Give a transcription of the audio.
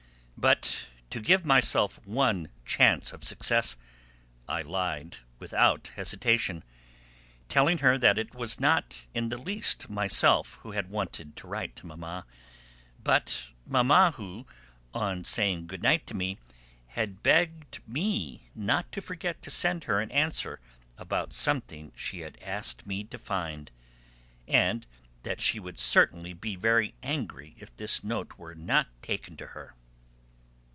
But to give myself one chance of success I lied without hesitation, telling her that it was not in the least myself who had wanted to write to Mamma, but Mamma who, on saying good night to me, had begged me not to forget to send her an answer about something she had asked me to find, and that she would certainly be very angry if this note were not taken to her.